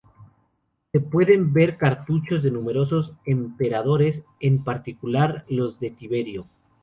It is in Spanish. Se pueden ver cartuchos de numerosos emperadores, en particular, los de Tiberio.